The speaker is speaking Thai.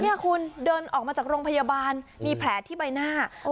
นี่คุณเดินออกมาจากโรงพยาบาลมีแผลที่ใบหน้า